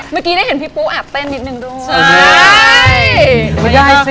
เมื่อกี้ได้เห็นพี่ปุ๊แอบเต้นนิดนึงด้วย